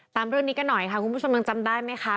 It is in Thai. ตามเรื่องนี้กันหน่อยค่ะคุณผู้ชมยังจำได้ไหมคะ